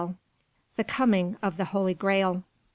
II. The Coming of the Holy Graal.